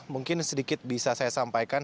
mungkin sedikit bisa saya sampaikan